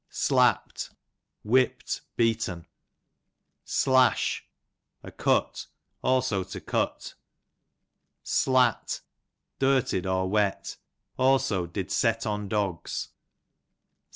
Slapt, whipt, beaten. Slash, a cut ; also to cut. Slat, dirtied, or wet ; also did set on dogs.